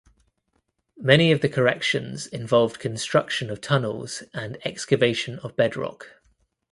Many of the corrections involved construction of tunnels and excavation of bedrock.